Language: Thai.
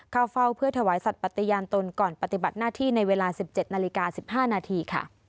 เข้าเฝ้าเพื่อถวายสัตว์ปฏิญาณตนก่อนปฏิบัติหน้าที่ในเวลา๑๗นาฬิกา๑๕นาทีค่ะ